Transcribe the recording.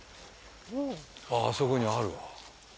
ああそこにあるわ。